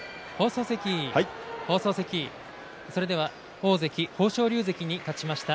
大関豊昇龍関に勝ちました